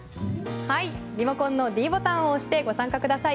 リモコンのｄボタンを押してご参加ください。